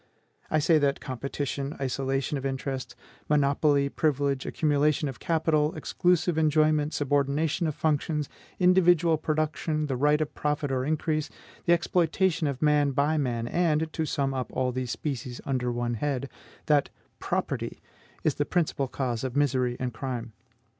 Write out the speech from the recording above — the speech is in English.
I say that competition, isolation of interests, monopoly, privilege, accumulation of capital, exclusive enjoyment, subordination of functions, individual production, the right of profit or increase, the exploitation of man by man, and, to sum up all these species under one head, that PROPERTY is the principal cause of misery and crime.